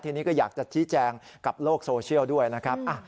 ทีนี้ก็อยากจะชี้แจงกับโลกโซเชียลด้วยนะครับ